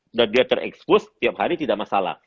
sudah dia terekspos tiap hari tidak masalah